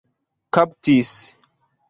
kaptis